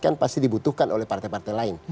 kan pasti dibutuhkan oleh partai partai lain